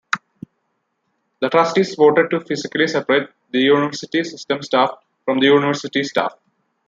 The trustees voted to physically separate the University System staff from the University staff.